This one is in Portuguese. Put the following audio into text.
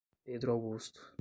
Pedro Augusto